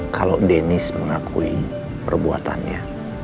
kalau dennis mengakui perbuatannya